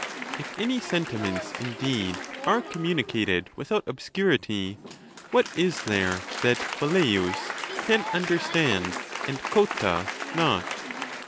If any sentiments, indeed, are communicated without obscurity, what is there that Velleins can under stand and Cotta not?